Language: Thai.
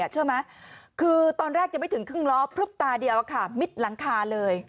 เชื่อไหมคือตอนแรกยังไม่ถึงครึ่งล้อพลึบตาเดียวมิดหลังคาเลย